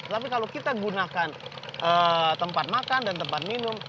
tapi kalau kita gunakan tempat makan dan tempat minum